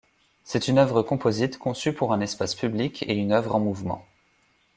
C'est une œuvre composite conçue pour un espace public et une œuvre en mouvement.